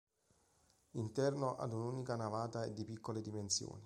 L'interno ad una unica navata è di piccole dimensioni.